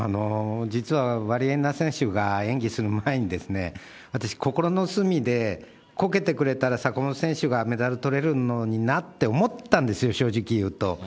実は、ワリエワ選手が演技する前に、私、心の隅で、こけてくれたら、坂本選手がメダルとれるのになって、思ったんですよ、正直言うと。